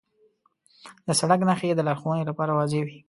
د سړک نښې د لارښوونې لپاره واضح وي.